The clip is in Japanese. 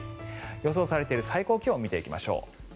予想されている最高気温を見ていきましょう。